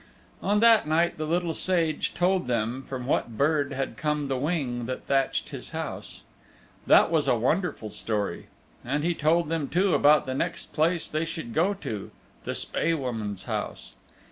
On that night the Little Sage told them from what bird had come the wing that thatched his house. That was a wonderful story. And he told them too about the next place they should go to the Spae woman's house.